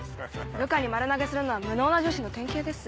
部下に丸投げするのは無能な上司の典型です。